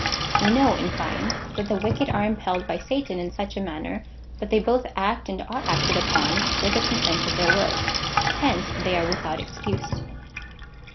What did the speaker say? We know, in fine, that the wicked are impelled by Satan in such a manner, that they both act and are acted ujjon with the consent of their wills.^ Hence they are with out excuse.